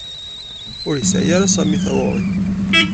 Ur yesɛi ara Sami tawuri.